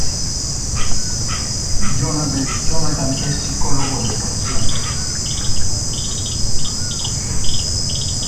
Jonathan es psicólogo de profesión.